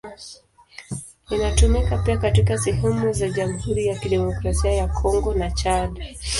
Inatumika pia katika sehemu za Jamhuri ya Kidemokrasia ya Kongo na Chad.